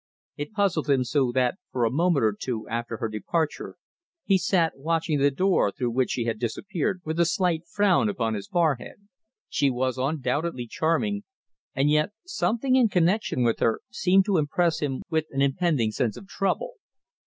It puzzled him so that for a moment or two after her departure he sat watching the door through which she had disappeared, with a slight frown upon his forehead. She was undoubtedly charming, and yet something in connection with her seemed to impress him with an impending sense of trouble.